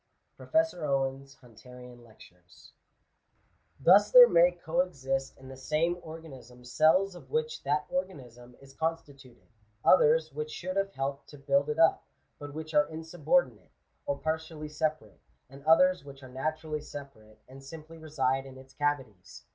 ''— Prtfeuor Owen's HunUrian Lecture*. Digitized by VjOOQIC GENERAL CONSIDERATIONS. 451 coexist in the same ' organism cells of which that organism is constituted, others which should have helped to build it up, but which are insubordinate or partially separate, and others which are naturally separate, and simply reside in its cavities.